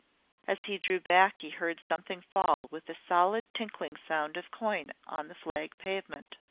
As he drew back he heard something fall with the solid tinkling sound of coin on the flag pavement.